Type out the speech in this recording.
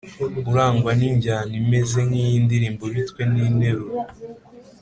urangwa n’injyana imeze nk’iy’indirimbo bitwe n’interuro